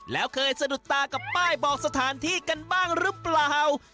แล้วเคยสะดุดตากับป้ายบอกสถานที่กันบ้างหรือเปล่า